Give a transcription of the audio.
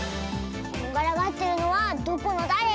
こんがらがってるのはどこのだれ？